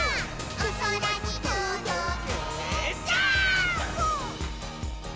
「おそらにとどけジャンプ！！」